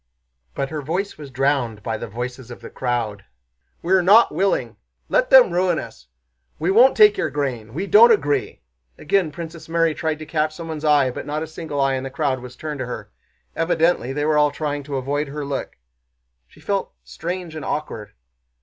But her voice was drowned by the voices of the crowd. "We're not willing. Let them ruin us! We won't take your grain. We don't agree." Again Princess Mary tried to catch someone's eye, but not a single eye in the crowd was turned to her; evidently they were all trying to avoid her look. She felt strange and awkward.